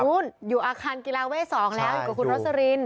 อยู่อาคารกีฬาเวท๒แล้วอยู่กับคุณโรสลิน